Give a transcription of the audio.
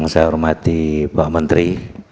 saya hormati bapak menteri